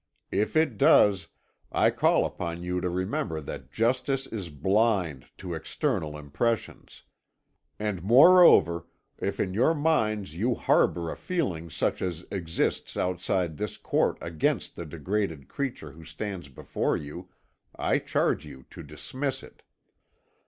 If it does, I call upon you to remember that justice is blind to external impressions. And moreover, if in your minds you harbour a feeling such as exists outside this court against the degraded creature who stands before you, I charge you to dismiss it.